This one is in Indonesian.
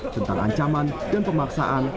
tentang ancaman dan pemaksaan